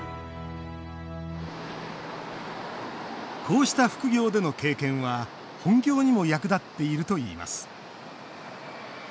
こうした副業での経験は本業にも役立っているといいます。